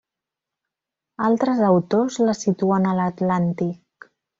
Altres autors la situen a l'Atlàntic.